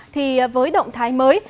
thì với động thái mới